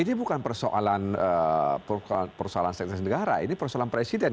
ini bukan persoalan seks negara ini persoalan presiden